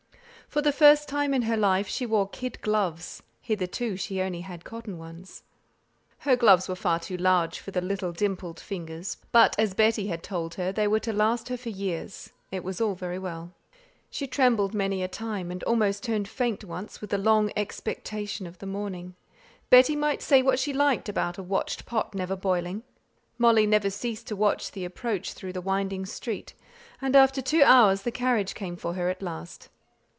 For the first time in her life she wore kid gloves; hitherto she had only had cotton ones. Her gloves were far too large for the little dimpled fingers, but as Betty had told her they were to last her for years, it was all very well. She trembled many a time, and almost turned faint once with the long expectation of the morning. Betty might say what she liked about a watched pot never boiling; Molly never ceased to watch the approach through the winding street, and after two hours the carriage came for her at last.